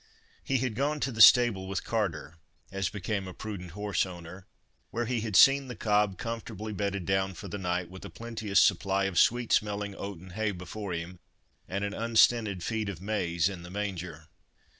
He had gone to the stable with Carter, as became a prudent horse owner, where he had seen the cob comfortably bedded down for the night with a plenteous supply of sweet smelling oaten hay before him, and an unstinted feed of maize in the manger.